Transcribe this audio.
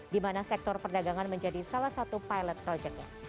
dimana sektor perdagangan menjadi salah satu pilot projectnya